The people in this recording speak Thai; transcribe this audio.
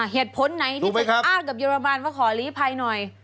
เหตุผลไหนที่เธออ้าดกับโยรมบาลว่าขอลี้ภัยหน่อย